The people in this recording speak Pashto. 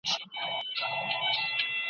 هغه وايي د بدن بوی د خولې له امله نه جوړېږي.